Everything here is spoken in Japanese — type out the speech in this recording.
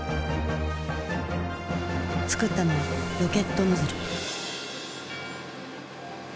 作ったのはロケットノズル。